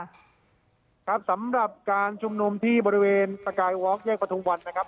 ครับครับสำหรับการชุมนุมที่บริเวณสกายวอล์แยกประทุมวันนะครับ